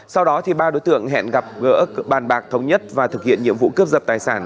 sau đó ba đối tượng hẹn gặp gỡ bàn bạc thống nhất và thực hiện nhiệm vụ cướp giật tài sản